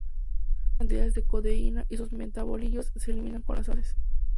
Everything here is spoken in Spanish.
Pequeñas cantidades de codeína y sus metabolitos se eliminan con las heces.